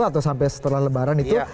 atau sampai setelah lebaran itu